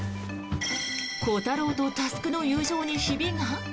コタローと佑の友情にひびが？